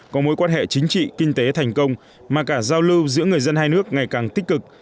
có mối quan hệ chính trị kinh tế thành công mà cả giao lưu giữa người dân hai nước ngày càng tích cực